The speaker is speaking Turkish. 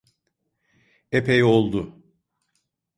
Epey oldu.